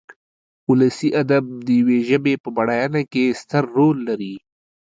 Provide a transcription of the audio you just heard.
ولسي ادب د يوې ژبې په بډاينه کې ستر رول لري.